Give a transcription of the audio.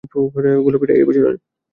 গোলাপিটা এই বছরের।